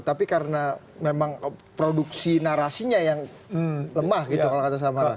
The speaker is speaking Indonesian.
tapi karena memang produksi narasinya yang lemah gitu kalau kata samara